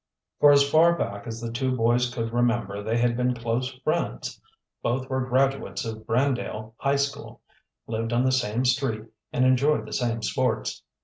For as far back as the two boys could remember they had been close friends. Both were graduates of Brandale High School, lived on the same street, and enjoyed the same sports.